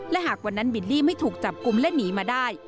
และหากวันนั้นบิลลี่ไม่ถูกจับกลุ่มและหนีมาได้